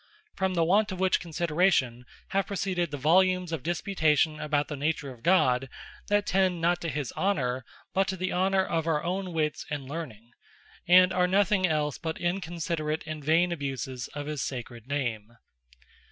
From the want of which consideration, have proceeded the volumes of disputation about the Nature of God, that tend not to his Honour, but to the honour of our own wits, and learning; and are nothing else but inconsiderate, and vain abuses of his Sacred Name.